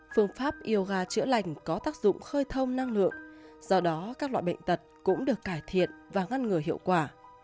phương pháp yoga chữa lành có tác dụng khơi thông năng lượng do đó các loại bệnh tật cũng được cải thiện và ngăn ngừa hiệu quả